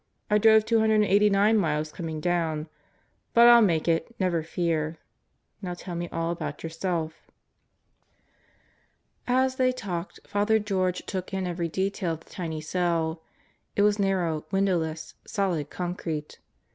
I drove 289 miles coming down. But I'll make it, never fear. Now tell me all about yourself." As they talked Father George took in every detail of the tiny cell. It was narrow, windowless, solid concrete.